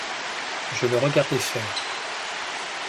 Je le regardai faire.